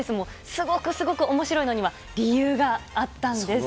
すごくすごくおもしろいのには理由があったんです。